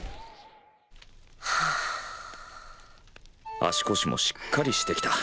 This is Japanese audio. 足腰もしっかりしてきた。